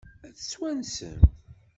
Ad t-twansem?